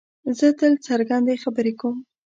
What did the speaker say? زه تل څرګندې خبرې کوم.